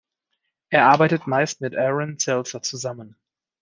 Er arbeitet meist mit Aaron Seltzer zusammen.